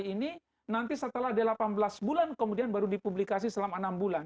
ini nanti setelah delapan belas bulan kemudian baru dipublikasi selama enam bulan